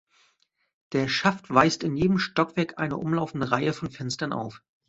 Der Schaft weist in jedem Stockwerk eine umlaufende Reihe von Fenstern auf.